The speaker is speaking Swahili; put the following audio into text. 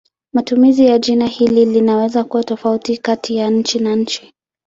Matumizi ya jina hili linaweza kuwa tofauti kati ya nchi na nchi.